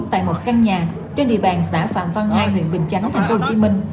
tại một căn nhà trên địa bàn xã phạm văn hai huyện bình chánh tp hcm